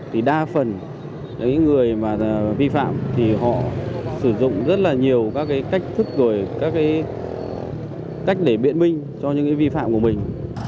thì đa phần người vi phạm sử dụng rất nhiều cách thức cách để biện minh cho những vi phạm của mình